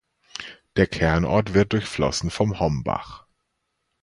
Der Kernort wird durchflossen vom Hombach.